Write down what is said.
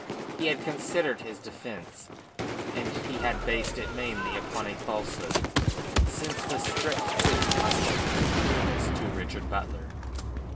He had considered his defence, and he had based it mainly upon a falsehood since the strict truth must have proved ruinous to Richard Butler.